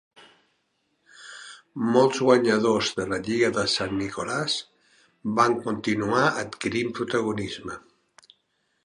Molts guanyadors de la lliga de St. Nicholas van continuar adquirint protagonisme.